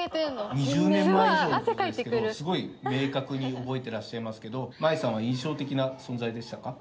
２０年前以上の事ですけどすごい明確に覚えてらっしゃいますけど舞さんは印象的な存在でしたか？